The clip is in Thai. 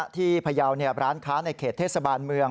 พยาวร้านค้าในเขตเทศบาลเมือง